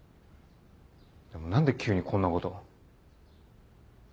でも何で急にこんなこと。